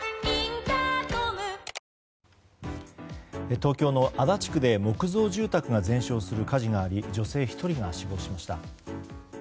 東京の足立区で木造住宅が全焼する火事があり女性１人が死亡しました。